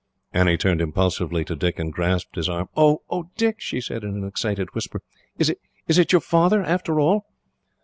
Annie turned impulsively to Dick, and grasped his arm. "Oh, Dick," she said, in an excited whisper. "Is it is it your father, after all?"